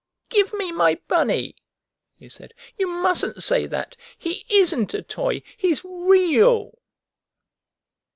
"Give me my Bunny!" he said. "You mustn't say that. He isn't a toy. He's REAL!"